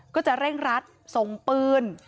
ก็จะเร่งรัดส่งปืน